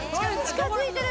近づいてる？